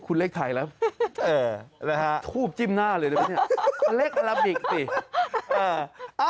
คุณเลขไทยแล้วเอออะไรฮะทูปจิ้มหน้าเลยเลยปะเนี่ยเล็กอัลบิกสิเออ